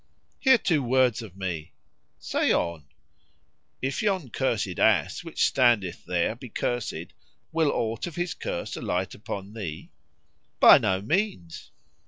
"Hear two words of me." "Say on." "If yon cursed ass[FN#51] which standeth there be cursed, will aught of his curse alight upon thee?" "By no means!"